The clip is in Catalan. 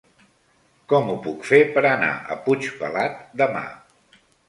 Com ho puc fer per anar a Puigpelat demà?